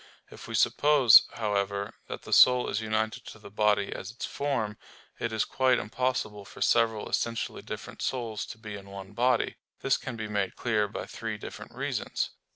If we suppose, however, that the soul is united to the body as its form, it is quite impossible for several essentially different souls to be in one body. This can be made clear by three different reasons.